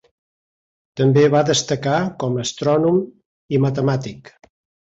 També va destacar com astrònom i matemàtic.